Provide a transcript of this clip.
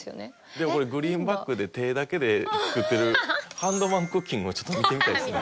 でもこれグリーンバックで手だけで作ってるハンドマンクッキングもちょっと見てみたいですね。